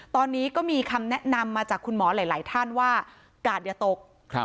ตอนนี้ก็มีคำแนะนำมาจากคุณหมอหลายท่านว่ากาดอย่าตก